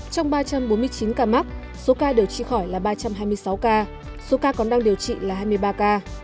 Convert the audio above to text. trong ba trăm bốn mươi chín ca mắc số ca điều trị khỏi là ba trăm hai mươi sáu ca số ca còn đang điều trị là hai mươi ba ca